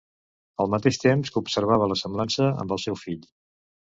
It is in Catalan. Al mateix temps que observava la semblança amb el seu fill.